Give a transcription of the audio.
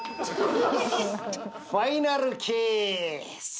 ファイナルケース。